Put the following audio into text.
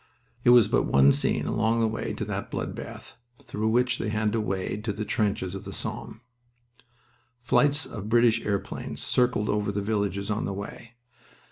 It was but one scene along the way to that blood bath through which they had to wade to the trenches of the Somme. Flights of British airplanes circled over the villages on the way.